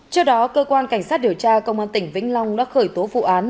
trước đó cơ quan cảnh sát điều tra công an tỉnh vĩnh long đã khởi tố vụ án